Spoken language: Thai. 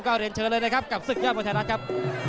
ก็เรียนเชิญเลยนะครับกับศึกยอดมวยไทยรัฐครับ